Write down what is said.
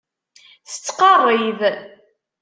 Tettqerrib.